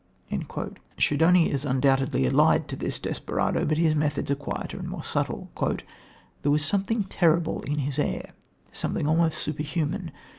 Schedoni is undoubtedly allied to this desperado, but his methods are quieter and more subtle: "There was something terrible in his air, something almost superhuman.